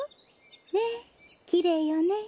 ねえきれいよね。